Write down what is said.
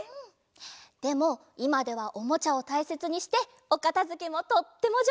でもいまではおもちゃをたいせつにしておかたづけもとってもじょうずになったみたい！